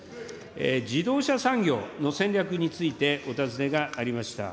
自動車産業の戦略についてお尋ねがありました。